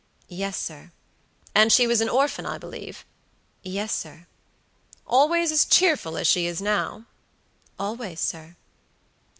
"Yes, sir." "And she was an orphan, I believe?" "Yes, sir." "Always as cheerful as she is now?" "Always, sir."